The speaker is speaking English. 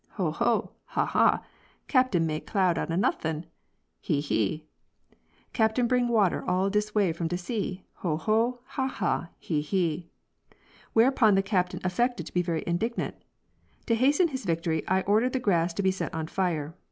''Ho, ho! ha, ha! Captain make cloud out 0' nuffin'; he, he! Captain bring water all dis way from de sea? Ho, ho! ha, ha! he, he!" Whereupon the Captain affected to be very indignant. To hasten his victory I ordered the grass to be set on fire.